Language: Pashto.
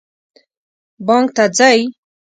بانک ته ځئ؟